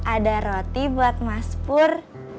ada roti buat mas pur